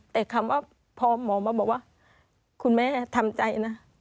แต่คำว่าพอหมอมาบอกว่าคุณแม่ทำใจนะ